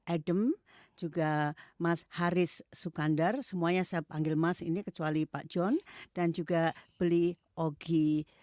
adem juga mas haris sukandar semuanya saya panggil mas ini kecuali pak john dan juga beli ogi